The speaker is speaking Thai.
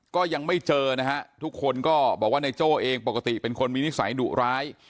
ก็ยังไม่เจอนะฮะทุกคนก็บอกว่านายโจ้เองปกติเป็นคนมีนิสัยดุร้าย